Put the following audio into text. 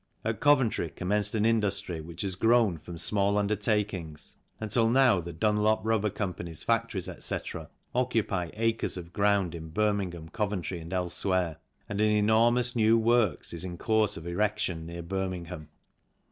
At Coventry commenced an industry which has grown from small undertakings until now the Dunlop Rubber Co.'s factories, etc., occupy acres of ground in Birming ham, Coventry and elsewhere, and an enormous new works is in course of erection near Birmingham.